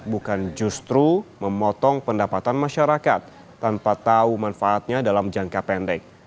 bukan justru memotong pendapatan masyarakat tanpa tahu manfaatnya dalam jangka pendek